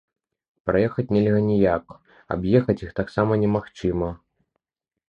Праехаць нельга ніяк, аб'ехаць іх так сама немагчыма.